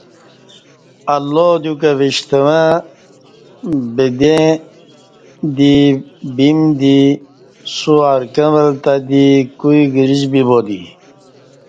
اللہ دیوکں ای وِشتہ وں بدیں دی بِبِیم دی سو ارکں ول تی دی کوئی گرش بیبا دی